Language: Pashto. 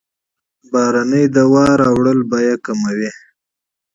د درملو واردات اسعار کموي.